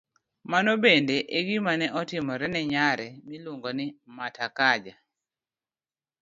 Mano bende e gima ne otimore ne nyare miluongo ni Mata Kaja,